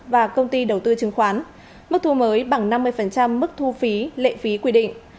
phí đầu tư chứng khoán mức thu mới bằng năm mươi mức thu phí lệ phí quy định